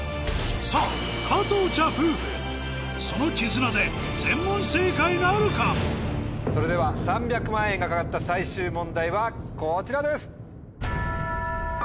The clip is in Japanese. さぁ加藤茶夫婦そのそれでは３００万円が懸かった最終問題はこちらです。